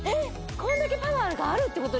こんだけパワーがあるってこと？